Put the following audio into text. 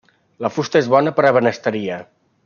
La fusta és bona per ebenisteria.